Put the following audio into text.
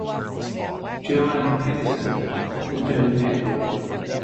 Joanne Pedersen at The Doe Network